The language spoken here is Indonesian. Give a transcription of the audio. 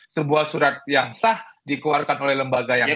sebuah surat yang sah dikeluarkan oleh lembaga yang lain